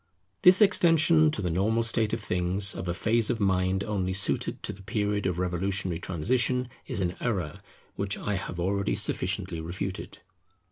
This extension to the normal state of things of a phase of mind only suited to the period of revolutionary transition, is an error which I have already sufficiently refuted.